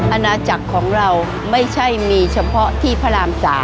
อาณาจักรของเราไม่ใช่มีเฉพาะที่พระราม๓